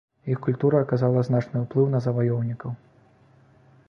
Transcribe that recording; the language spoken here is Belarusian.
Іх культура аказала значны ўплыў на заваёўнікаў.